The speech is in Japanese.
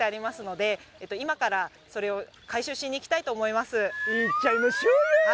行っちゃいましょうよ。